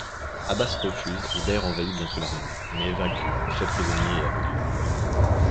Abas refuse, et Ber envahit bientôt l'Arménie, mais est vaincu, fait prisonnier et aveuglé.